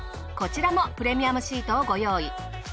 こちらもプレミアムシートをご用意。